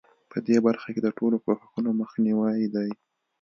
په دې برخه کې د ټولو کوښښونو مخنیوی دی.